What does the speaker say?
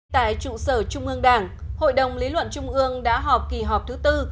tại trụ sở trung ương đảng hội đồng lý luận trung ương đã họp kỳ họp thứ tư